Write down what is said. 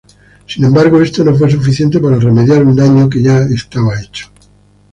Sin embargo, esto no fue suficiente para remediar un daño que ya estaba hecho.